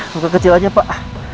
buka kecil aja pak